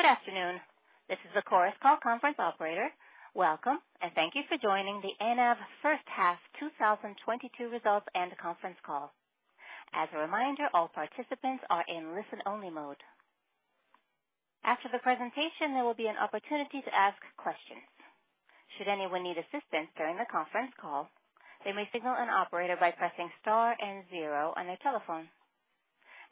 Good afternoon. This is the Chorus Call conference operator. Welcome, and thank you for joining the ENAV first half 2022 results and conference call. As a reminder, all participants are in listen-only mode. After the presentation, there will be an opportunity to ask questions. Should anyone need assistance during the conference call, they may signal an operator by pressing star and zero on their telephone.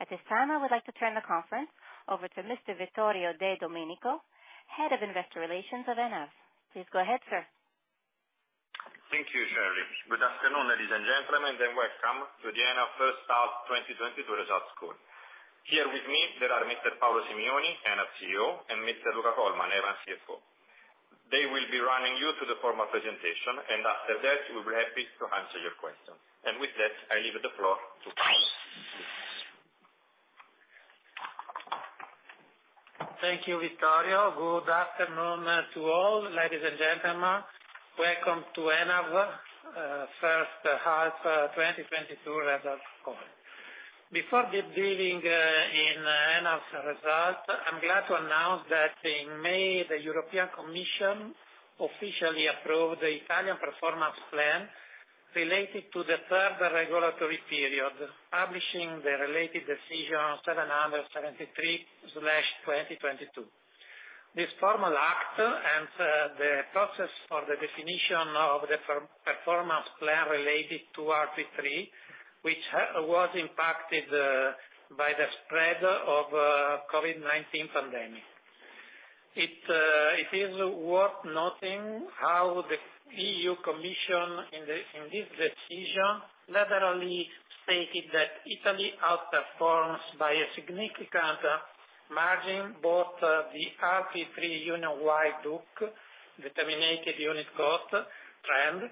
At this time, I would like to turn the conference over to Mr. Vittorio De Domenico, Head of Investor Relations of ENAV. Please go ahead, sir. Thank you, Shirley. Good afternoon, ladies and gentlemen, and welcome to the ENAV first half 2022 results call. Here with me there are Mr. Paolo Simioni, ENAV CEO, and Mr. Luca Colman, ENAV CFO. They will be running you through the formal presentation, and after that, we'll be happy to answer your questions. With that, I leave the floor to Paolo. Thank you, Vittorio. Good afternoon to all. Ladies and gentlemen, welcome to ENAV first half 2022 results call. Before beginning in ENAV's results, I'm glad to announce that in May, the European Commission officially approved the Italian performance plan related to the third regulatory period, publishing the related Decision 2022/773. This formal act and the process for the definition of the performance plan related to RP3, which was impacted by the spread of COVID-19 pandemic. It is worth noting how the EU Commission in this decision literally stated that Italy outperforms by a significant margin both the RP3 Union-wide DUC, determined unit cost, trend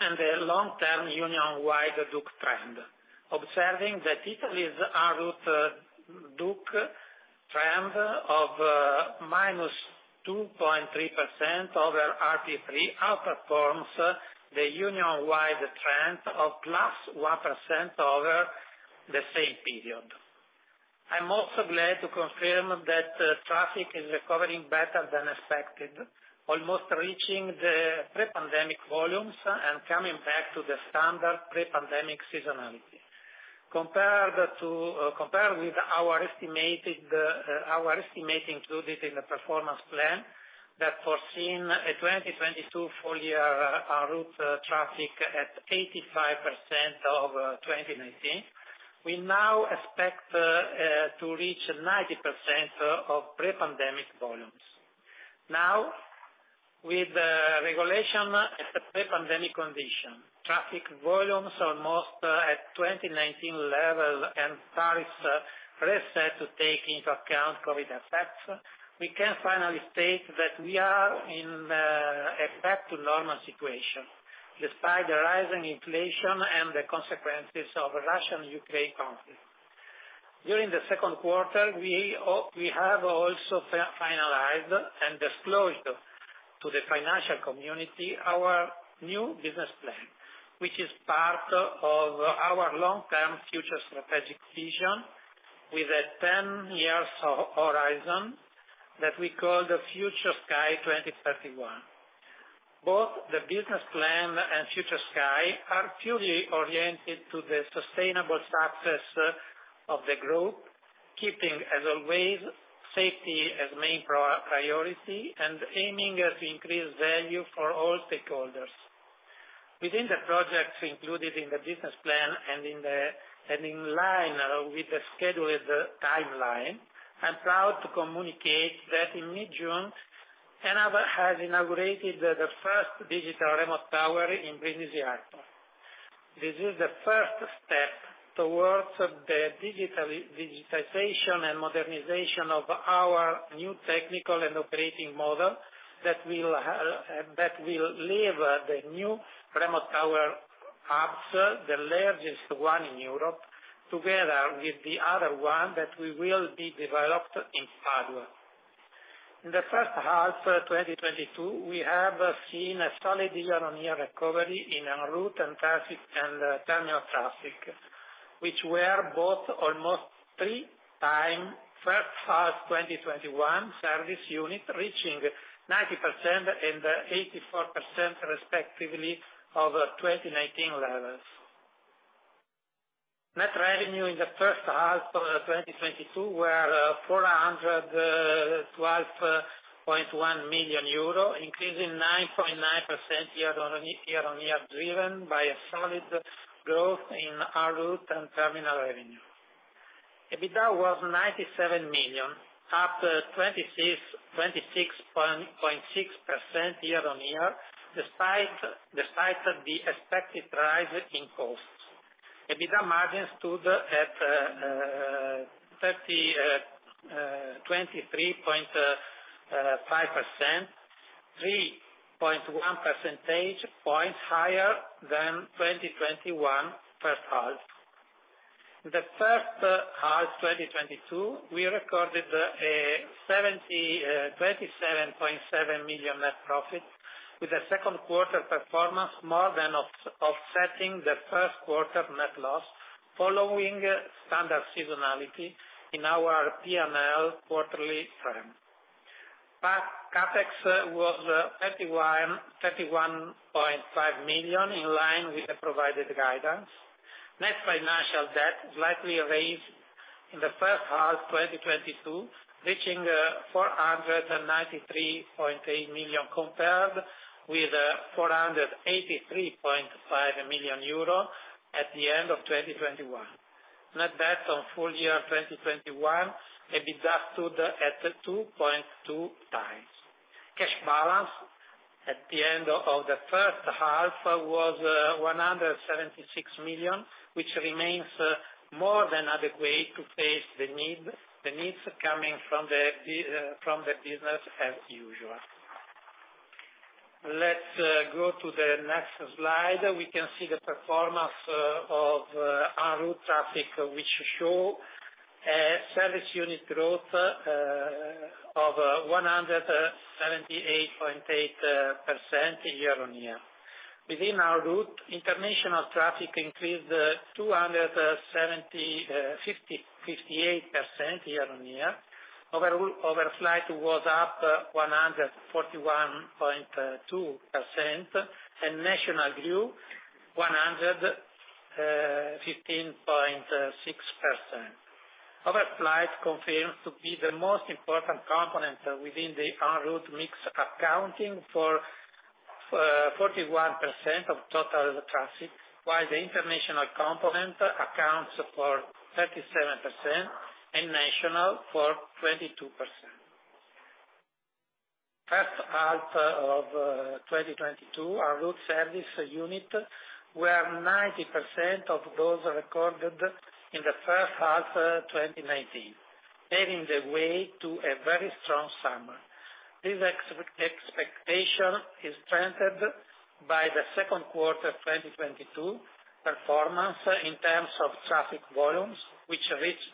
and the long-term Union-wide DUC trend. Observing that Italy's en route DUC trend of -2.3% over RP3 outperforms the Union-wide trend of +1% over the same period. I'm also glad to confirm that traffic is recovering better than expected, almost reaching the pre-pandemic volumes and coming back to the standard pre-pandemic seasonality. Compared with our estimates included in the performance plan that foreseen a 2022 full year en route traffic at 85% of 2019, we now expect to reach 90% of pre-pandemic volumes. Now, with the regulation at the pre-pandemic condition, traffic volumes almost at 2019 level and tariffs reset to take into account COVID effects, we can finally state that we are in a back to normal situation, despite the rising inflation and the consequences of Russian-Ukraine conflict. During the second quarter, we have also finalized and disclosed to the financial community our new business plan, which is part of our long-term future strategic vision with a 10-year horizon that we call FutureSky 2031. Both the business plan and FutureSky are purely oriented to the sustainable success of the group, keeping, as always, safety as main priority and aiming at increased value for all stakeholders. Within the projects included in the business plan and in line with the scheduled timeline, I'm proud to communicate that in mid-June, ENAV has inaugurated the first digital remote tower in Brindisi Airport. This is the first step towards the digitally. Digitization and modernization of our new technical and operating model that will leverage the new remote tower ops, the largest one in Europe, together with the other one that we will develop in Padua. In the first half 2022, we have seen a solid year-on-year recovery in enroute and terminal traffic, which were both almost 3x first half 2021 service unit, reaching 90% and 84% respectively over 2019 levels. Net revenue in the first half of 2022 were 412.1 million euro, increasing 9.9% year on year, driven by a solid growth in enroute and terminal revenue. EBITDA was EUR 97 million, up 26.6% year on year, despite the expected rise in costs. EBITDA margin stood at 23.5%, 3.1 percentage points higher than 2021 first half. In the first half 2022, we recorded a 27.7 million net profit, with the second quarter performance more than offsetting the first quarter net loss following standard seasonality in our P&L quarterly trend. CapEx was 31.5 million, in line with the provided guidance. Net financial debt slightly raised in the first half 2022, reaching 493.8 million compared with 483.5 million euro at the end of 2021. Net debt on full year 2021 EBITDA stood at 2.2x. Cash balance at the end of the first half was 176 million, which remains more than adequate to face the needs coming from the business as usual. Let's go to the next slide. We can see the performance of enroute traffic, which show service unit growth of 178.8% year-on-year. Within enroute, international traffic increased 275.8% year-on-year. Overall, overflight was up 141.2% and national grew 115.6%. Overflight confirms to be the most important component within the enroute mix, accounting for 41% of total traffic, while the international component accounts for 37% and national for 22%. First half of 2022, enroute service units were 90% of those recorded in the first half of 2019, paving the way to a very strong summer. This expectation is strengthened by the second quarter 2022 performance in terms of traffic volumes, which reached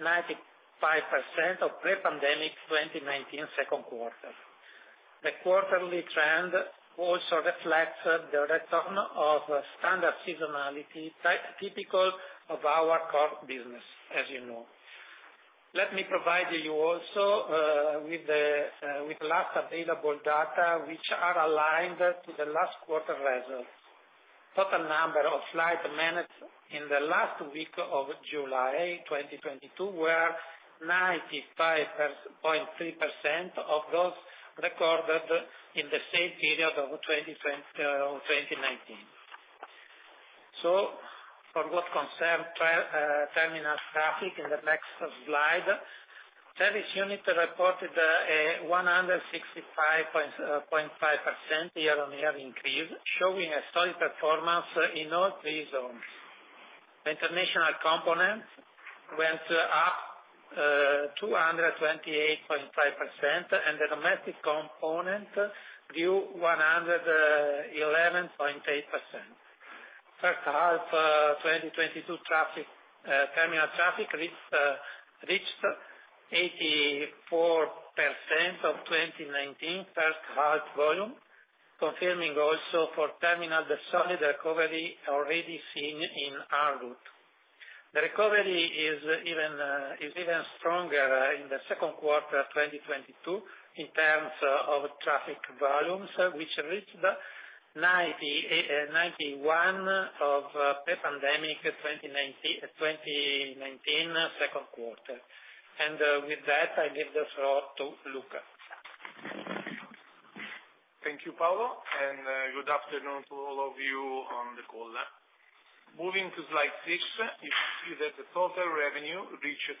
95% of pre-pandemic 2019 second quarter. The quarterly trend also reflects the return of standard seasonality typical of our core business, as you know. Let me provide you also with the last available data which are aligned to the last quarter results. Total number of flights managed in the last week of July 2022 were 95.3% of those recorded in the same period of 2019. For what concerns terminal traffic in the next slide, service unit reported a 165.5% year-on-year increase, showing a steady performance in all three zones. International component went up 228.5%, and the domestic component grew 111.8%. First half 2022 traffic, terminal traffic reached 84% of 2019 first half volume, confirming also for terminal the solid recovery already seen in enroute. The recovery is even stronger in the second quarter 2022 in terms of traffic volumes, which reached 91% of pre-pandemic 2019 second quarter. With that, I give the floor to Luca. Thank you, Paolo, and good afternoon to all of you on the call. Moving to slide six, you see that the total revenue reaches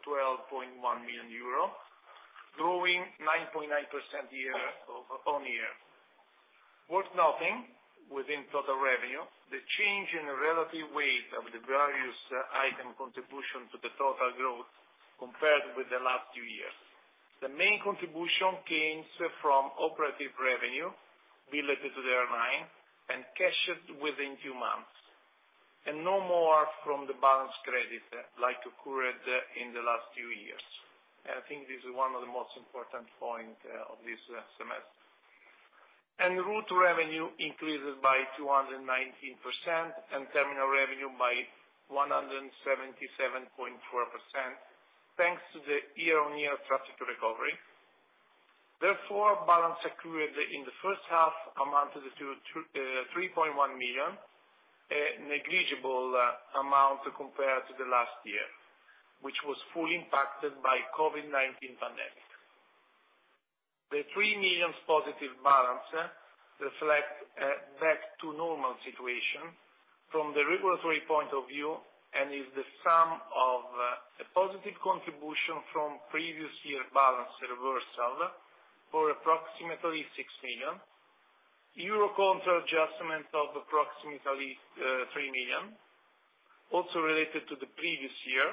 412.1 million euro, growing 9.9% year-on-year. Worth noting within total revenue, the change in the relative weight of the various item contribution to the total growth compared with the last few years. The main contribution came from operating revenue related to the airlines and cashed within two months, and no more from the balance credit like occurred in the last few years. I think this is one of the most important point of this semester. En-route revenue increases by 219% and terminal revenue by 177.4%, thanks to the year-on-year traffic recovery. Therefore, balance accrued in the first half amounted to 3.1 Million, a negligible amount compared to the last year, which was fully impacted by COVID-19 pandemic. The 3 million positive balance reflect a back-to-normal situation from the regulatory point of view and is the sum of a positive contribution from previous year balance reversal for approximately 6 million, Eurocontrol adjustments of approximately 3 million also related to the previous year,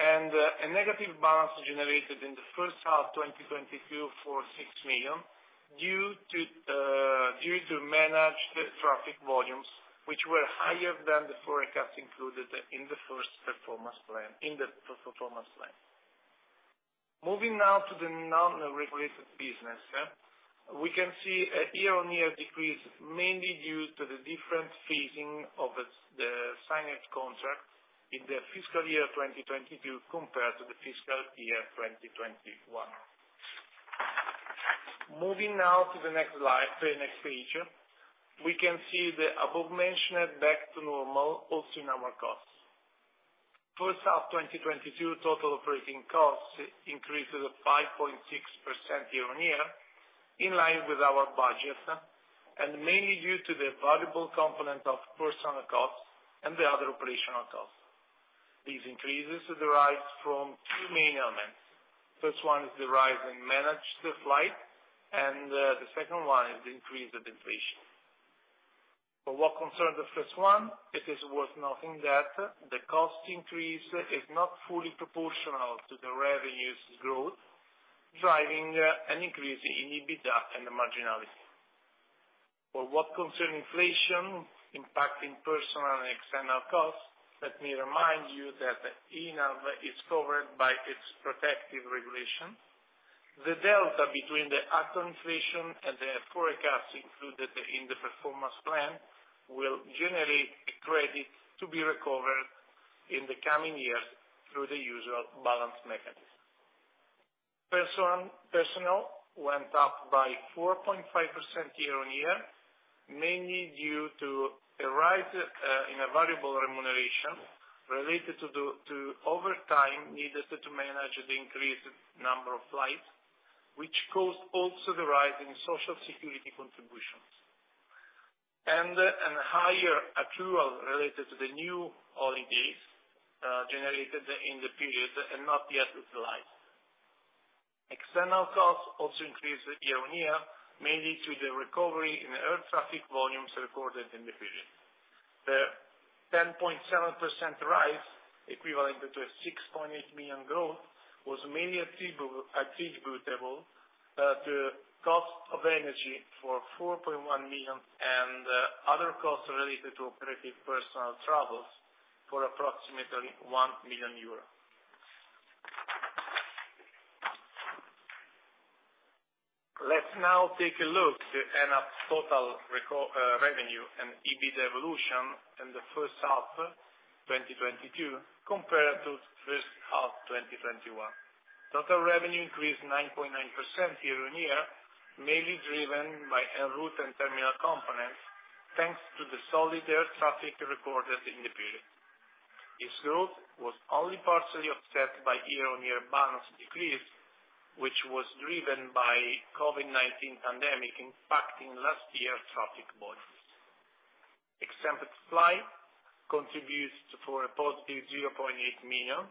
and a negative balance generated in the first half 2022 for 6 million, due to managed traffic volumes, which were higher than the forecast included in the first performance plan, in the performance plan. Moving now to the non-regulated business. We can see a year-on-year decrease mainly due to the different phasing of the D-Flight contract in the fiscal year 2022 compared to the fiscal year 2021. Moving now to the next slide, to the next page, we can see the above mentioned back to normal also in our costs. First half 2022 total operating costs increases of 5.6% year-on-year, in line with our budget, and mainly due to the variable component of personnel costs and the other operational costs. These increases derives from two main elements. First one is the rise in managed flight, and the second one is the increase of inflation. For what concern the first one, it is worth noting that the cost increase is not fully proportional to the revenues growth, driving an increase in EBITDA and the marginality. For what concerns inflation impacting personnel and external costs, let me remind you that ENAV is covered by its protective regulation. The delta between the actual inflation and the forecast included in the performance plan will generate a credit to be recovered in the coming years through the usual balance mechanisms. Personnel went up by 4.5% year-on-year, mainly due to a rise in a variable remuneration related to the overtime needed to manage the increased number of flights, which caused also the rise in social security contributions and a higher accrual related to the new holidays generated in the period and not yet utilized. External costs also increased year-on-year, mainly due to the recovery in air traffic volumes recorded in the period. The 10.7% rise, equivalent to a 6.8 million growth, was mainly attributable to cost of energy for 4.1 million and other costs related to operating personnel travels for approximately EUR 1 million. Let's now take a look to ENAV's total revenue and EBITDA evolution in the first half 2022 compared to first half 2021. Total revenue increased 9.9% year-on-year, mainly driven by enroute and terminal components, thanks to the solid air traffic recorded in the period. This growth was only partially offset by year-on-year balance decrease, which was driven by COVID-19 pandemic impacting last year traffic volumes. Exempt flights contributes for a positive 0.8 million.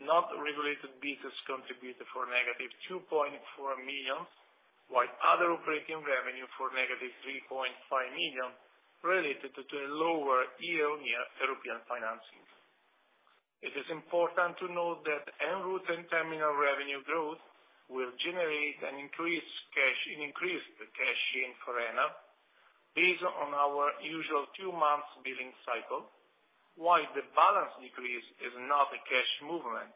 Not regulated business contributed for a -2.4 million, while other operating revenue for a -3.5 million related to a lower year-on-year European financings. It is important to note that enroute and terminal revenue growth will generate an increased cash, an increased cash in for ENAV based on our usual two-month billing cycle, while the balance decrease is not a cash movement,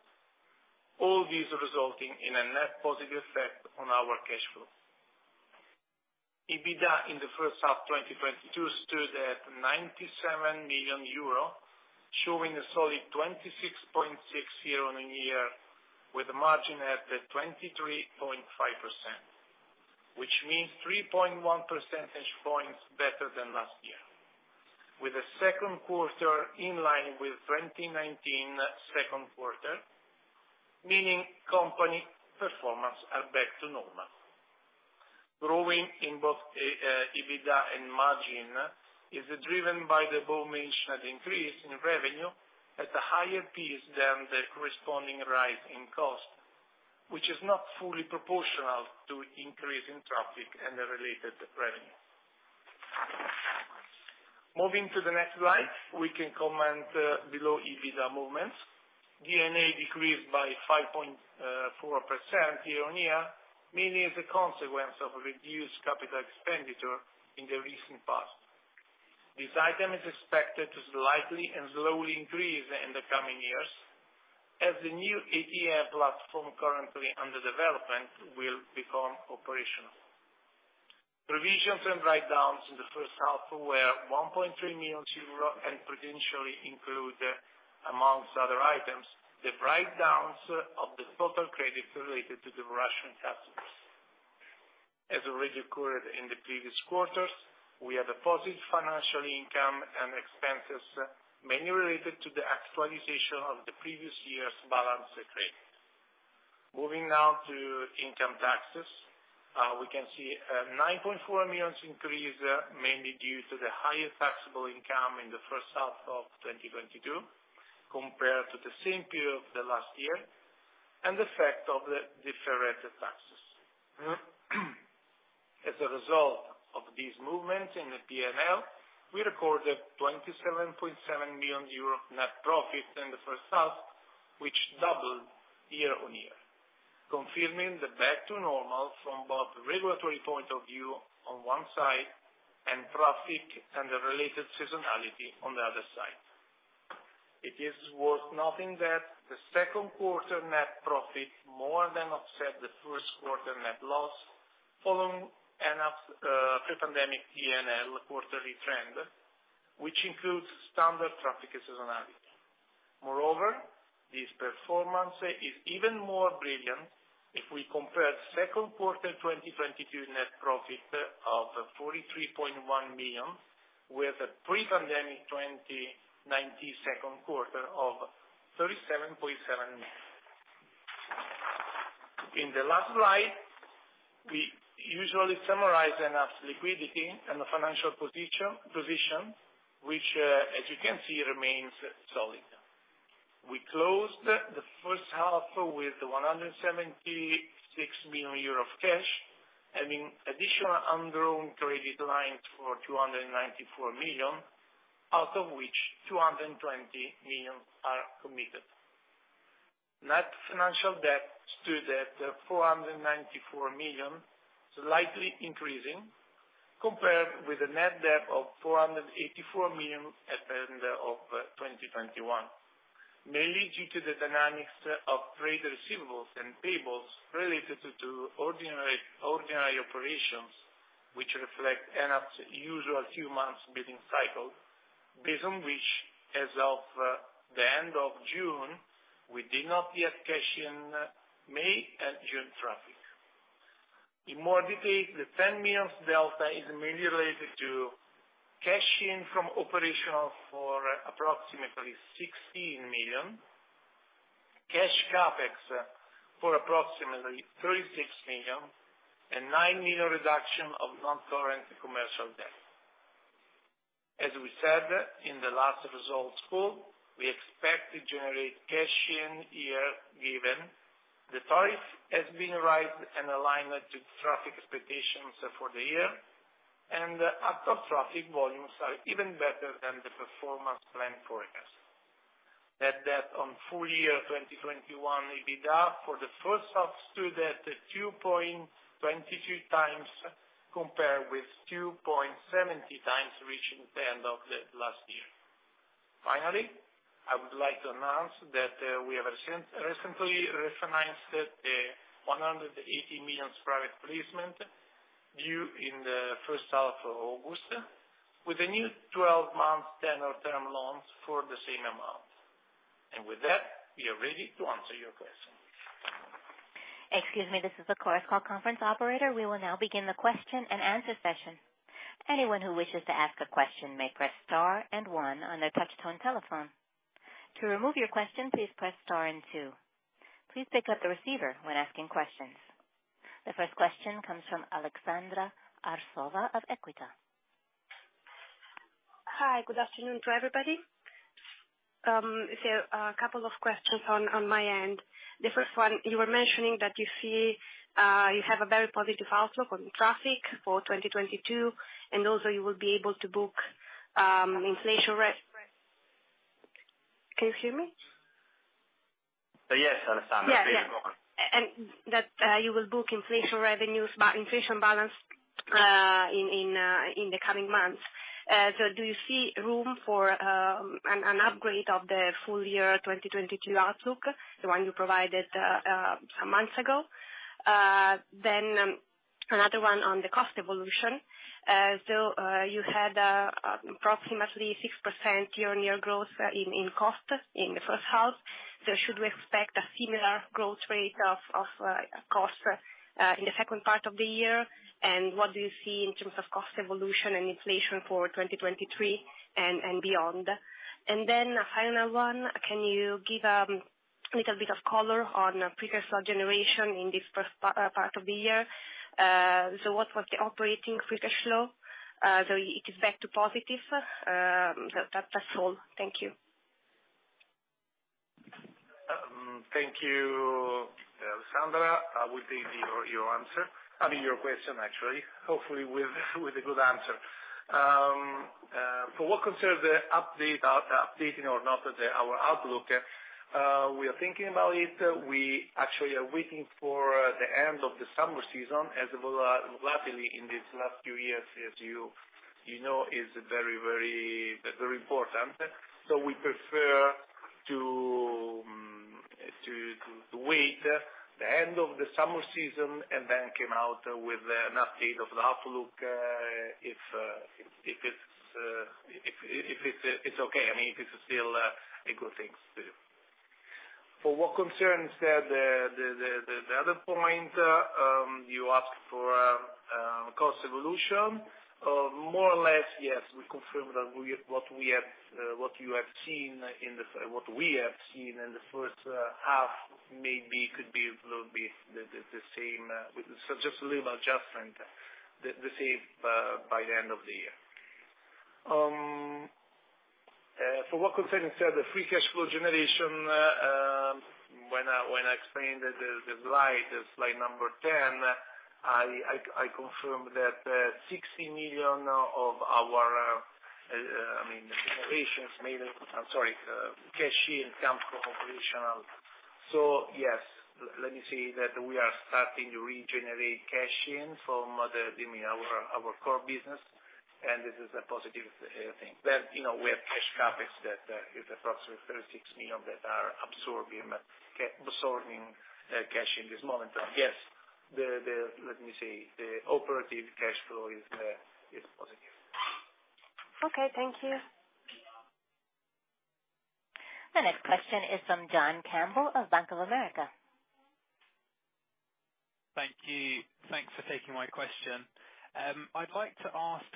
all these resulting in a net positive effect on our cash flow. EBITDA in the first half 2022 stood at 97 million euro, showing a solid 26.6% year-on-year, with margin at 23.5%, which means 3.1 percentage points better than last year, with the second quarter in line with 2019 second quarter, meaning company performance are back to normal. Growing in both EBITDA and margin is driven by the above-mentioned increase in revenue at a higher pace than the corresponding rise in cost, which is not fully proportional to increase in traffic and the related revenue. Moving to the next slide, we can comment below EBITDA movements. D&A decreased by 5.4% year-on-year, mainly as a consequence of reduced capital expenditure in the recent past. This item is expected to slightly and slowly increase in the coming years as the new ATM platform currently under development will become operational. Provisions and write-downs in the first half were 1.3 million euro and potentially include, among other items, the write-downs of the total credits related to the Russian customers. As already occurred in the previous quarters, we have a positive financial income and expenses mainly related to the actualization of the previous year's balance credits. Moving now to income taxes, we can see a 9.4 million increase mainly due to the higher taxable income in the first half of 2022 compared to the same period of the last year and the effect of the deferred taxes. As a result of these movements in the P&L, we recorded 27.7 million euro net profit in the first half, which doubled year-on-year, confirming the back to normal from both regulatory point of view on one side and traffic and the related seasonality on the other side. It is worth noting that the second quarter net profit more than offset the first quarter net loss following ENAV's pre-pandemic P&L quarterly trend, which includes standard traffic seasonality. Moreover, this performance is even more brilliant if we compare second quarter 2022 net profit of 43.1 million with pre-pandemic 2019 second quarter of 37.7 million. In the last slide, we usually summarize ENAV's liquidity and the financial position which, as you can see, remains solid. We closed the first half with 176 million euros of cash, having additional undrawn credit lines for 294 million, out of which 220 million are committed. Net financial debt stood at 494 million, slightly increasing compared with the net debt of 484 million at the end of 2021. Mainly due to the dynamics of trade receivables and payables related to ordinary operations which reflect ENAV's usual few months billing cycle, based on which, as of the end of June, we did not get cash in May and June traffic. In more detail, the 10 million delta is mainly related to cash in from operations for approximately 16 million, cash CapEx for approximately 36 million, and 9 million reduction of non-current commercial debt. As we said in the last results call, we expect to generate cash in year given the tariff has been right and aligned to traffic expectations for the year, and the actual traffic volumes are even better than the performance plan forecast. Net debt to full year 2021 EBITDA for the first half stood at 2.22x, compared with 2.70x reached at the end of the last year. Finally, I would like to announce that we have recently refinanced the 180 million private placement due in the first half of August with a new 12-month tenor term loans for the same amount. With that, we are ready to answer your question. Excuse me. This is the conference call operator. We will now begin the question and answer session. Anyone who wishes to ask a question may press star and one on their touch tone telephone. To remove your question, please press star and two. Please pick up the receiver when asking questions. The first question comes from Aleksandra Arsova of Equita. Hi. Good afternoon to everybody. A couple of questions on my end. The first one, you were mentioning that you see you have a very positive outlook on traffic for 2022, and also you will be able to book. Can you hear me? Yes, I understand. Yeah, yeah. Go on. That you will book inflation revenues but inflation balance in the coming months. Do you see room for an upgrade of the full-year 2022 outlook, the one you provided some months ago? Another one on the cost evolution. You had approximately 6% year-on-year growth in cost in the first half. Should we expect a similar growth rate of cost in the second part of the year? What do you see in terms of cost evolution and inflation for 2023 and beyond? A final one, can you give little bit of color on free cash flow generation in this first part of the year? What was the operating free cash flow? It is back to positive. That's all. Thank you. Thank you, Aleksandra. I will give your answer. I mean, your question actually. Hopefully with a good answer. For what concerns the update, updating or not our outlook, we are thinking about it. We actually are waiting for the end of the summer season as we are luckily in these last few years, as you know, is very important. We prefer to wait the end of the summer season and then come out with an update of the outlook, if it's okay. I mean, if it's still a good thing to do. For what concerns the other point you ask for, cost evolution. More or less, yes, we confirm that what we have seen in the first half maybe could be a little bit the same, with just a little adjustment, the same by the end of the year. For what concerns the free cash flow generation, when I explained the slide number 10, I confirmed that 60 million of our cash generation in terms of operational. So yes, let me say that we are starting to regenerate cash in from our core business, and this is a positive thing. You know, we have cash profits that is approximately 36 million that are absorbing cash in this moment. Yes, let me say, the operating cash flow is positive. Okay, thank you. The next question is from John Campbell of Bank of America. Thank you. Thanks for taking my question. I'd like to ask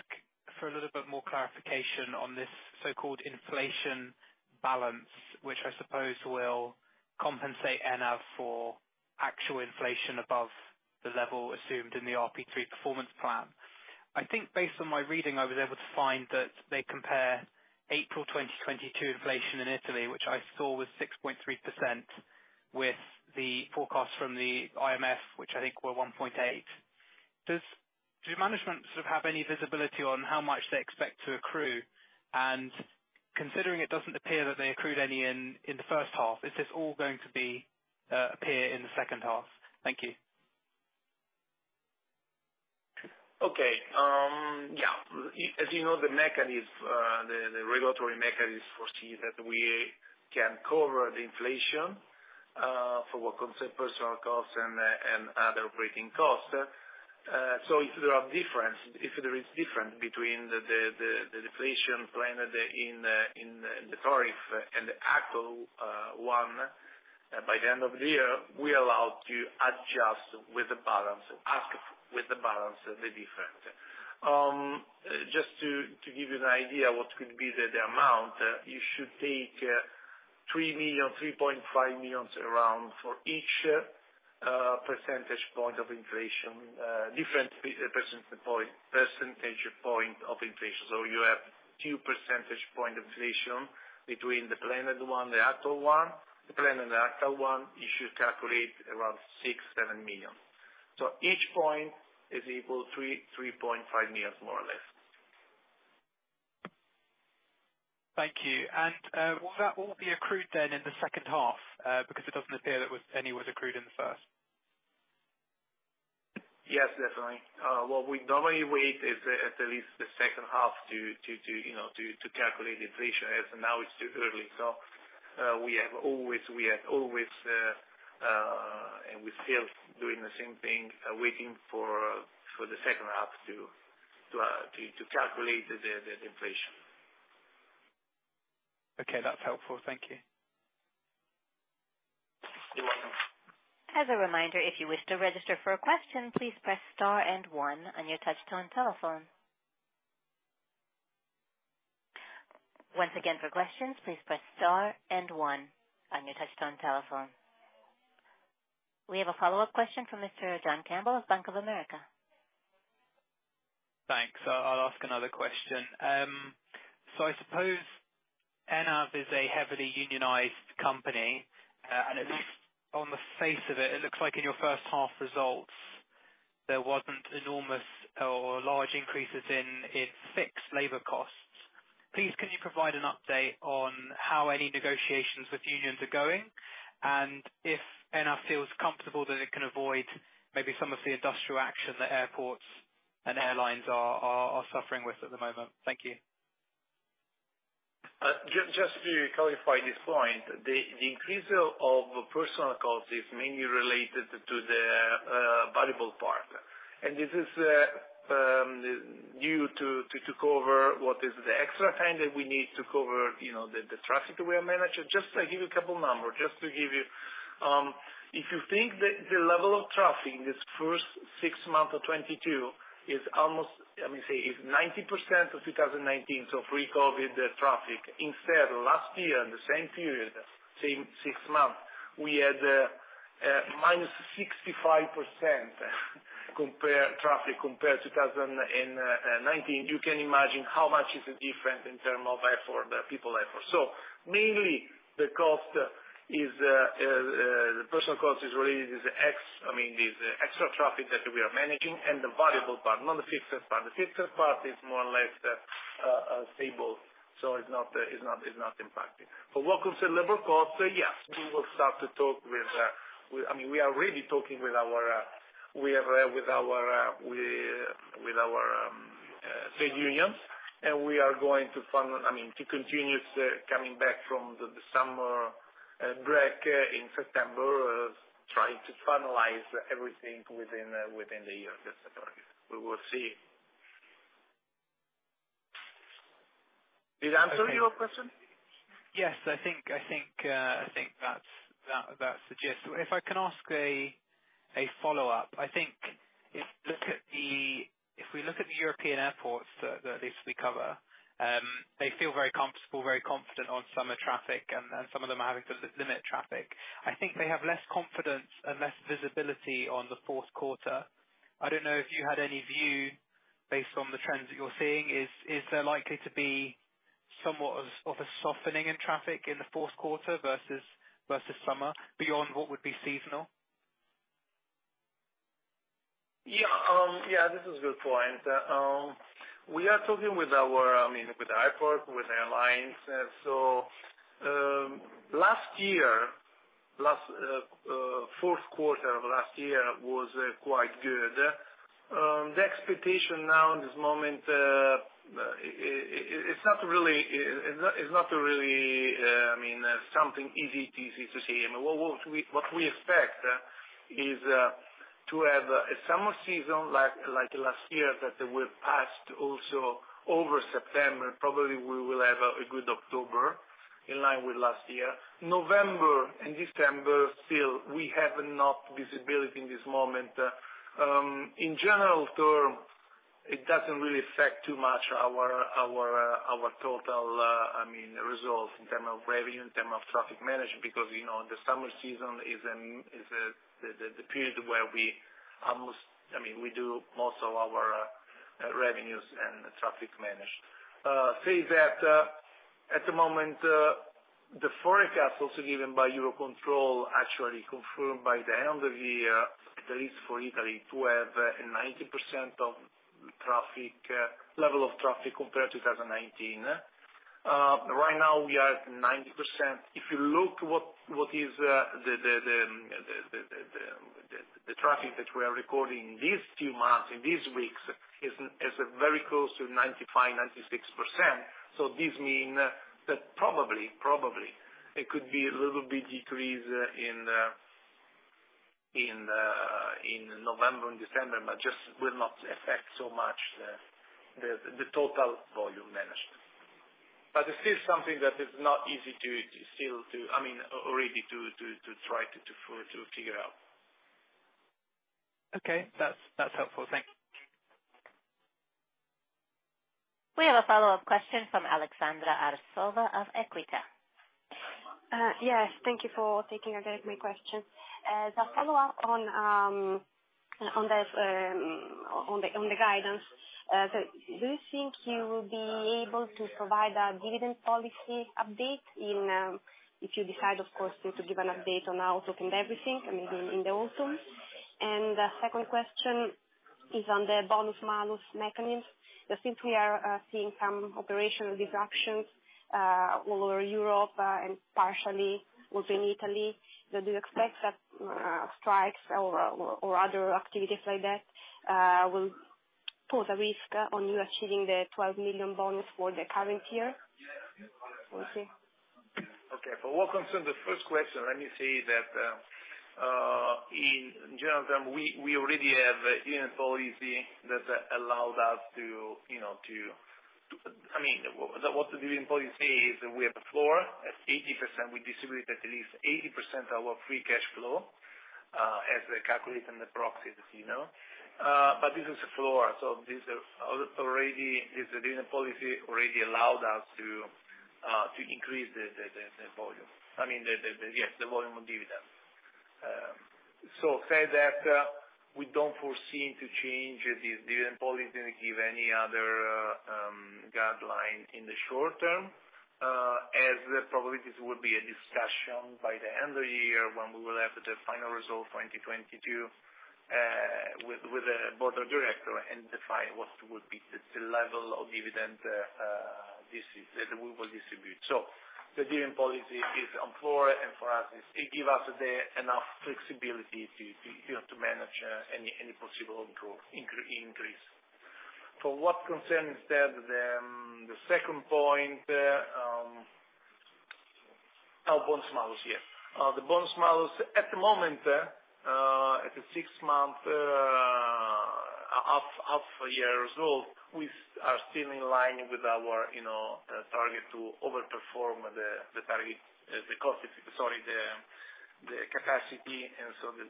for a little bit more clarification on this so-called inflation balance, which I suppose will compensate ENAV for actual inflation above the level assumed in the RP3 performance plan. I think based on my reading, I was able to find that they compare April 2022 inflation in Italy, which I saw was 6.3%, with the forecast from the IMF, which I think were 1.8%. Does management sort of have any visibility on how much they expect to accrue? Considering it doesn't appear that they accrued any in the first half, is this all going to appear in the second half? Thank you. As you know, the regulatory mechanism foresee that we can cover the inflation for what concern personnel costs and other operating costs. If there is difference between the inflation planned in the tariff and the actual one by the end of the year, we are allowed to adjust with the balance of the difference. Just to give you an idea what could be the amount, you should take 3 million, 3.5 million around for each percentage point of inflation. You have two percentage point inflation between the planned one and the actual one. The planned and the actual one, you should calculate around 6 million-7 million. Each point is equal to 3.5 million, more or less. Thank you. Will that all be accrued then in the second half? Because it doesn't appear that any was accrued in the first. Yes, definitely. What we normally wait is at least the second half to, you know, calculate inflation, as of now it's too early. We have always and we're still doing the same thing, waiting for the second half to calculate the inflation. Okay, that's helpful. Thank you. You're welcome. As a reminder, if you wish to register for a question, please press star and one on your touchtone telephone. Once again, for questions, please press star and one on your touchtone telephone. We have a follow-up question from Mr. John Campbell of Bank of America. Thanks. I'll ask another question. I suppose ENAV is a heavily unionized company. On the face of it looks like in your first half results, there wasn't enormous or large increases in fixed labor costs. Please, could you provide an update on how any negotiations with unions are going? If ENAV feels comfortable that it can avoid maybe some of the industrial action that airports and airlines are suffering with at the moment. Thank you. Just to clarify this point, the increase of personnel costs is mainly related to the variable part. This is due to cover what is the extra traffic that we need to cover, you know, the traffic we are managing. Just to give you a couple of numbers. If you think the level of traffic in this first six months of 2022 is almost, let me say, 90% of 2019, so pre-COVID traffic. Instead, last year, the same period, same six months, we had -65% compared traffic compared 2019. You can imagine how much is the difference in terms of effort, the people effort. Mainly the cost, the personnel cost is related to the ex... I mean, the extra traffic that we are managing and the variable part, not the fixed part. The fixed part is more or less stable, so it's not impacting. When it comes to labor cost, yes, I mean, we are really talking with our trade unions, and we are going to continue coming back from the summer break in September trying to finalize everything within the year. That's the plan. We will see. Did I answer your question? Yes. I think that suggests. If I can ask a follow-up. I think if we look at the European airports that at least we cover, they feel very comfortable, very confident on summer traffic, and some of them are having to limit traffic. I think they have less confidence and less visibility on the fourth quarter. I don't know if you had any view based on the trends that you're seeing. Is there likely to be somewhat of a softening in traffic in the fourth quarter versus summer beyond what would be seasonal? Yeah, this is a good point. We are talking with our, I mean, with airports, with airlines. Last year's fourth quarter was quite good. The expectation now in this moment, it's not really something easy peasy to say. I mean, what we expect is to have a summer season like last year that will pass to also over September, probably we will have a good October in line with last year. November and December still we have not visibility in this moment. In general terms, it doesn't really affect too much our total, I mean, results in terms of revenue, in terms of traffic management because, you know, the summer season is the period where we almost, I mean, we do most of our revenues and traffic management. That said, at the moment, the forecast also given by Eurocontrol actually confirmed by the end of the year, at least for Italy, to have a 90% level of traffic compared to 2019. Right now we are at 90%. If you look what is the traffic that we're recording these two months in these weeks is very close to 95%-96%. This mean that probably it could be a little bit decreased in November and December, but just will not affect so much the total volume management. This is something that is not easy to tell, I mean, really to try to figure out. Okay. That's helpful. Thank you. We have a follow-up question from Aleksandra Arsova of Equita. Yes, thank you for taking my question again. As a follow-up on the guidance, do you think you will be able to provide a dividend policy update, if you decide, of course, to give an update on outlook and everything, I mean, in the autumn? Second question is on the bonus-malus mechanism. Since we are seeing some operational disruptions all over Europe and partially also in Italy, do you expect that strikes or other activities like that will pose a risk on you achieving the 12 million bonus for the current year? Okay. For what concerns the first question, let me say that, in general terms, we already have a dividend policy that allowed us to, you know, to I mean, what the dividend policy is, we have a floor at 80%. We distribute at least 80% our free cash flow, as calculated in the proxy as you know. But this is a floor, so this already, this dividend policy already allowed us to increase the volume. I mean, yes, the volume of dividend. To say that we don't foresee to change this dividend policy to give any other guideline in the short term, as probably this would be a discussion by the end of the year when we will have the final result for 2022 with the board of director and define what would be the level of dividend that we will distribute. The dividend policy is on hold, and for us it gives us enough flexibility to you know to manage any possible growth increase. For what concerns the second point, our bonus-malus, yes. The bonus-malus at the moment, at the six-month half a year result, we are still in line with our, you know, target to overperform the target, the cost, sorry, the capacity and so the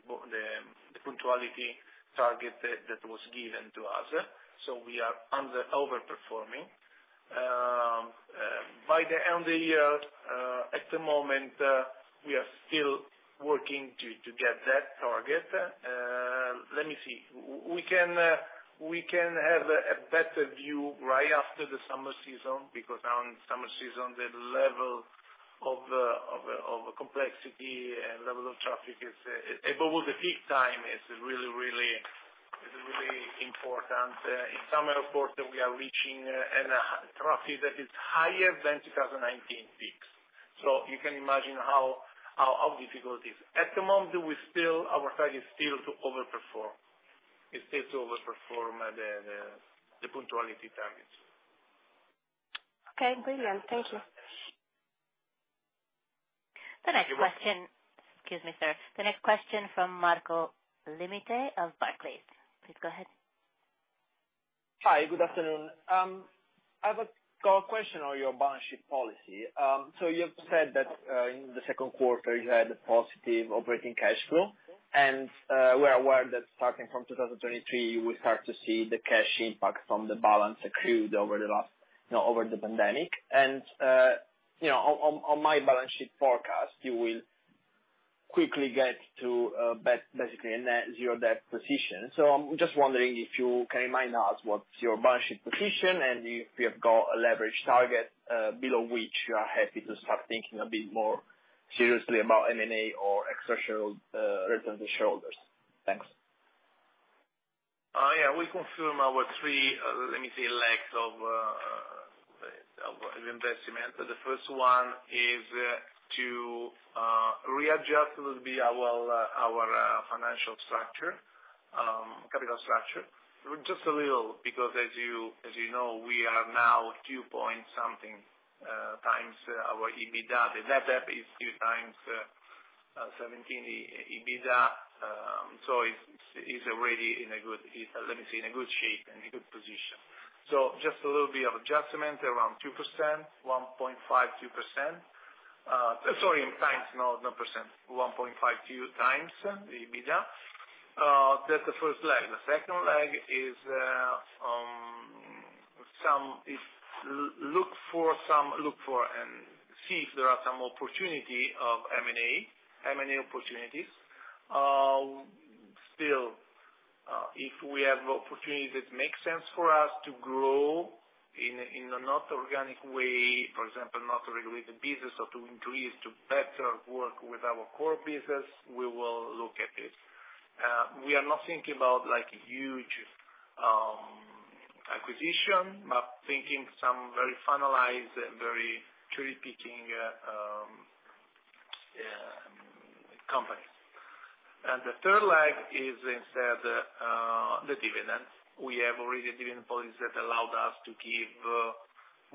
punctuality target that was given to us. We are overperforming. By the end of the year, at the moment, we are still working to get that target. Let me see. We can have a better view right after the summer season because now in summer season the level of complexity and level of traffic is above the peak time, is really important. In some airport that we are reaching traffic that is higher than 2019 peaks. You can imagine how difficult it is. At the moment we still, our target is still to overperform. It's still to overperform the punctuality targets. Okay. Brilliant. Thank you. You're welcome. The next question. Excuse me, sir. The next question from Marco Limite of Barclays. Please go ahead. Hi, good afternoon. I've got a question on your balance sheet policy. You have said that in the second quarter you had a positive operating cash flow. We're aware that starting from 2023 you will start to see the cash impact from the balance accrued over the last, you know, over the pandemic. You know, on my balance sheet forecast, you will quickly get to basically a net zero debt position. I'm just wondering if you can remind us what's your balance sheet position and if you have got a leverage target below which you are happy to start thinking a bit more. Seriously about M&A or extra shareholder return to shareholders. Thanks. Yeah, we confirm our three legs of investment. The first one is to readjust a little bit our financial structure, capital structure. Just a little because as you know, we are now 2.something x our EBITDA. The net debt is 2.17x EBITDA. It's already in a good, let me say, in a good shape and a good position. Just a little bit of adjustment around 2x, 1.5x, 2x. Sorry, in times, not percent. 1.5x, 2x the EBITDA. That's the first leg. The second leg is look for and see if there are some opportunity of M&A, M&A opportunities. Still, if we have opportunities that make sense for us to grow in a not organic way, for example, not related business or to increase to better work with our core business, we will look at this. We are not thinking about like huge acquisition, but thinking some very finalized and very cherry-picking companies. The third leg is instead the dividend. We have already a dividend policy that allowed us to give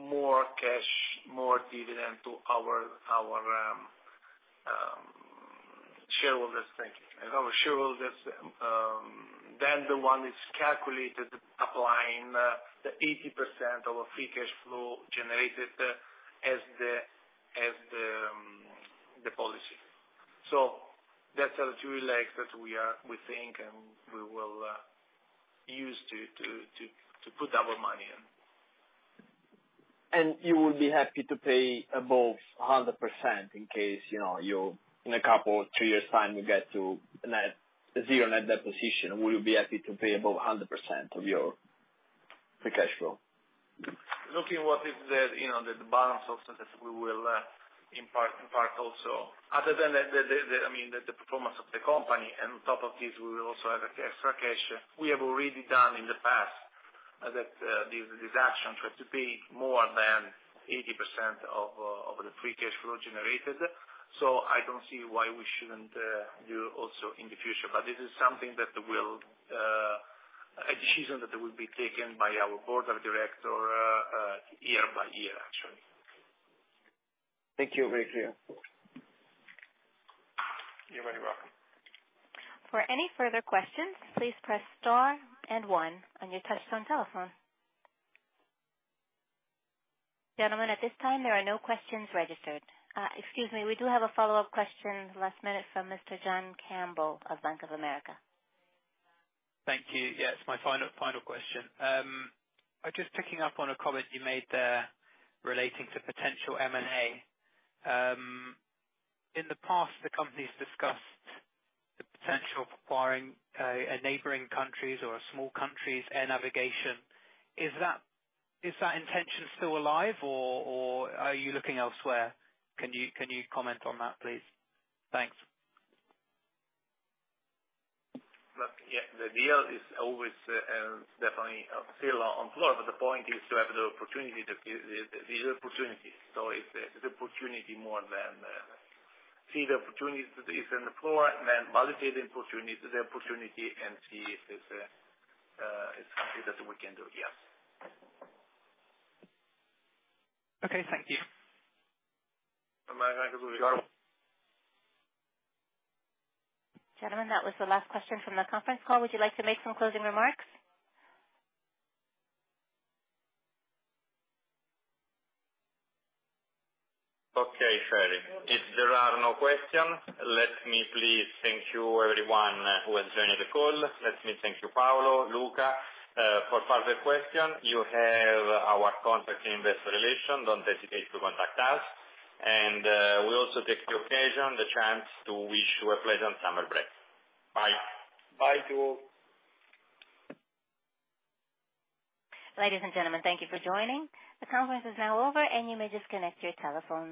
more cash, more dividend to our shareholders. Thank you. Our shareholders than the one is calculated applying the 80% of our free cash flow generated as the policy. That's the three legs that we are, we think, and we will use to put our money in. You would be happy to pay above 100% in case, you know, in a couple or two years' time you get to net zero net debt position. Would you be happy to pay above 100% of your free cash flow? Looking at what is the, you know, the balance also that we will impact also. Other than the, I mean, the performance of the company, and on top of this we will also have free cash. We have already done in the past that these actions were to pay more than 80% of the free cash flow generated. I don't see why we shouldn't do also in the future. This is something, a decision that will be taken by our board of directors year by year, actually. Thank you. Very clear. You're very welcome. For any further questions, please press star and one on your touchtone telephone. Gentlemen, at this time, there are no questions registered. Excuse me, we do have a follow-up question, last minute from Mr. John Campbell of Bank of America. Thank you. Yes, my final question. Just picking up on a comment you made there relating to potential M&A. In the past, the company's discussed the potential of acquiring a neighboring country's or a small country's air navigation. Is that intention still alive, or are you looking elsewhere? Can you comment on that, please? Thanks. Look, yeah, the deal is always definitely up, still on floor, but the point is to have the opportunity to give these opportunities. It's the opportunity more than see the opportunities that is on the floor and then validate the opportunity and see if it's something that we can do. Yes. Okay. Thank you. Am I going to lose it all? Gentlemen, that was the last question from the conference call. Would you like to make some closing remarks? Okay, fair. If there are no questions, let me please thank everyone who has joined the call. Let me thank you, Paolo, Luca. For further questions, you have our contact Investor Relations. Don't hesitate to contact us. We also take the occasion, the chance to wish you a pleasant summer break. Bye. Bye to all. Ladies and gentlemen, thank you for joining. The conference is now over, and you may disconnect your telephones.